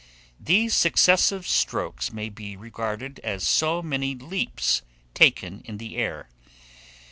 These successive strokes may be regarded as so many leaps taken in the air.